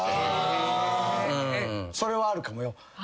それはあるかもよ。